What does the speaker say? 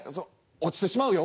落ちてしまうよ。